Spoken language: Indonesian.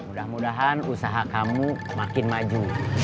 mudah mudahan usaha kamu makin maju